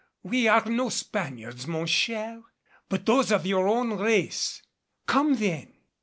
We are no Spaniards, mon cher, but those of your own race. Come then!"